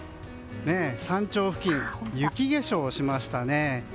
山頂付近、雪化粧をしましたね。